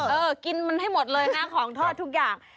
เออกินมันให้หมดเลยนะของทอดทุกอย่าง